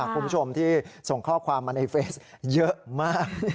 คุณผู้ชมที่ส่งข้อความมาในเฟซเยอะมาก